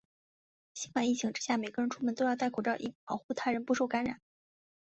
新冠疫情之下，每个人出门都要带口罩，以保护他人不受感染。